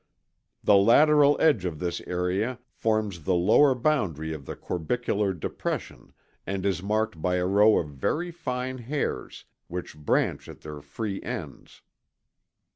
The lateral edge of this area forms the lower boundary of the corbicula r depression and is marked by a row of very fine hairs which branch at their free ends.